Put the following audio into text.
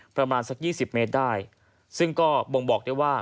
ประมาณสักยี่สิบเมตรได้ซึ่งก็บ่งบอกได้ว่า